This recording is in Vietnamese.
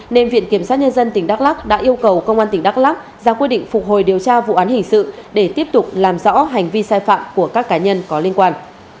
nên viện kiểm sát nhân dân tỉnh đắk lắc đã yêu cầu công an tỉnh đắk lắc ra quyết định phục hồi điều tra vụ án hình sự để tiếp tục làm rõ hành vi sai phạm của các cá nhân có liên quan